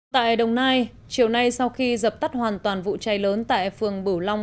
tại đồng nai chiều nay sau khi dập tắt hoàn toàn vụ cháy lớn tại phường bửu long